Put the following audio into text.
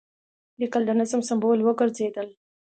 لیکل د نظم سمبول وګرځېدل.